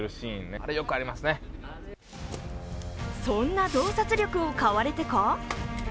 そんな洞察力を買われてか？